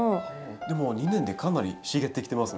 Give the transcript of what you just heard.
でも２年でかなり茂ってきてますね。